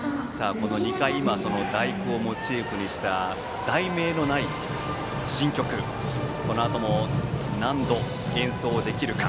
２回、「第九」をモチーフにした題名のない新曲このあとも何度、演奏できるか。